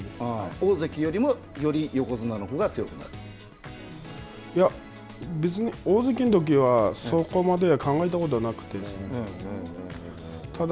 大関よりもより横綱のほうがいや、別に大関のときはそこまで考えたことはなくてただ。